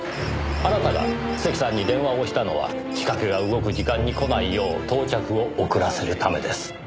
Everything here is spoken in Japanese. あなたが関さんに電話をしたのは仕掛けが動く時間に来ないよう到着を遅らせるためです。